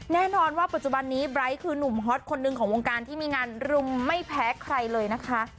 แน่นอนว่าปัจจุบันนี้ไบร์ทคือหนุ่มฮอตคนหนึ่งของวงการที่มีงานรุมไม่แพ้ใครเลยนะคะ